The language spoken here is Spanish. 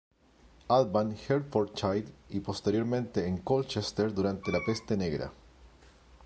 Albans, Hertfordshire, y posteriormente en Colchester durante la peste negra.